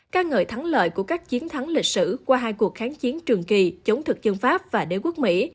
ca ngợi thắng lợi của các chiến thắng lịch sử qua hai cuộc kháng chiến trường kỳ chống thực dân pháp và đế quốc mỹ